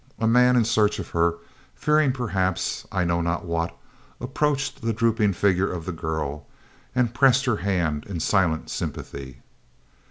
A man in search of her, fearing perhaps, I know not what, approached the drooping figure of the girl, and pressed her hand in silent sympathy.